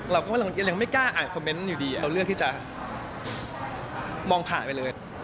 เราก็ยังไม่กล้าอ่านคอมเมนต์อยู่ดีเราเลือกที่จะมองผ่านไปเลย